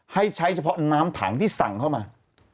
ให้ใช้เฉพาะน้ำถังที่สั่งเข้ามา